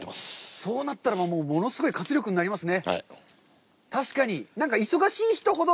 そうなったら、物すごい活力になりますね。